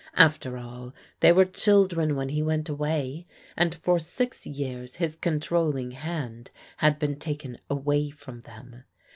After all, they were children when he went ^way, and for six years his con trolling hand had been taken away from them.